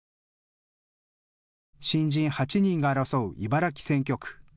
新人８人が争う茨城選挙区。